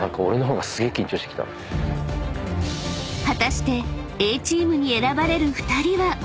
［果たしてＡチームに選ばれる２人は？］